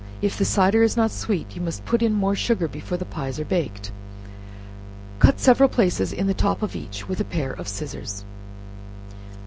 If the cider is not sweet, you must put in more sugar before the pies are baked, cut several places in the top of each with a pair of scissors.